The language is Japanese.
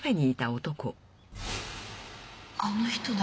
あの人誰？